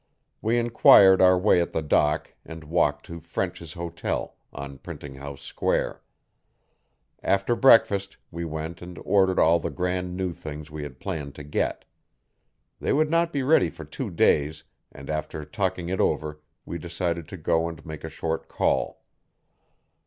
We enquired our way at the dock and walked to French's Hotel, on Printing House Square. After breakfast we went and ordered all the grand new things we had planned to get. They would not be ready for two days, and after talking it over we decided to go and make a short call.